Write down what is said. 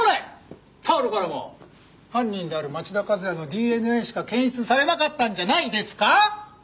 タオルからも犯人である町田和也のＤＮＡしか検出されなかったんじゃないですか？